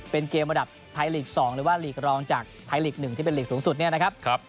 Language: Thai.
เป็นเกมระดับไทยลีก๒หรือว่าลีกรองจากไทยลีก๑ที่เป็นหลีกสูงสุดเนี่ยนะครับ